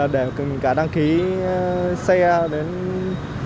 để mình cả đăng ký xe đến nơi này